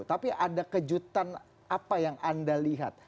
tapi ada kejutan apa yang anda lihat